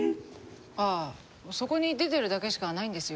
ああそこに出てるだけしかないんですよ。